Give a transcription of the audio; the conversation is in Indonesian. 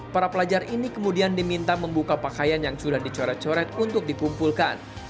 para pelajar ini kemudian diminta membuka pakaian yang sudah dicoret coret untuk dikumpulkan